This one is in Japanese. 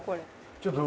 ちょっと。